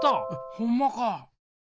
ほんまか！